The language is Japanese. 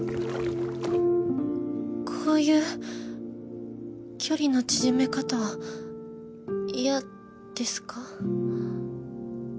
こういう距離の縮め方は嫌ですか？